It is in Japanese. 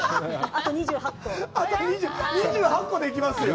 あと２８個できますよ。